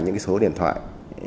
những số điện thoại